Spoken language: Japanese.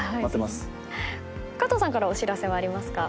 加藤さんからお知らせはありますか？